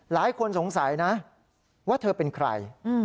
หลายคนสงสัยนะว่าเธอเป็นใคร